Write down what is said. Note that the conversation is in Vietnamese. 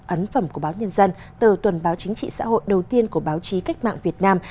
ấn phẩm của báo nhân dân tờ tuần báo chính trị xã hội đầu tiên của báo chí cách mạng việt nam